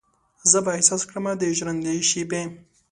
زه به احساس کړمه د ژرندې شیبې